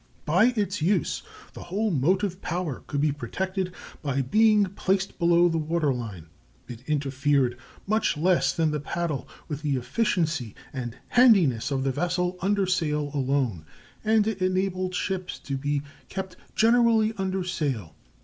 "By its use the whole motive power could be protected by being placed below the water line. It interfered much less than the paddle with the efficiency and handiness of the vessel under sail alone, and it enabled ships to be kept generally under sail.